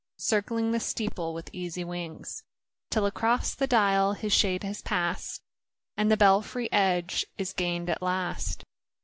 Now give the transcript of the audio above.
Circling the steeple with easy wings. Till across the dial his shade has pass'd, And the belfry edge is gain'd at last.